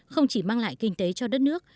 không chỉ mang lại kinh tế cho đất nước